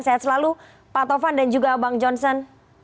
sehat selalu pak tovan dan juga bang johnson